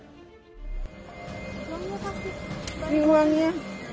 bisa kasih uangnya